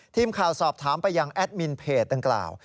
ทีมข่าวสอบถามไปยังแอดมินเพจดังกล่าว